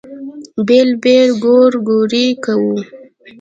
بېل بېل ګورګورې کوو.